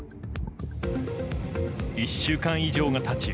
１週間以上が経ち